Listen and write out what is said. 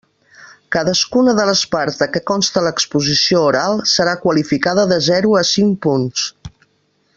Cadascuna de les parts de què consta l'exposició oral serà qualificada de zero a cinc punts.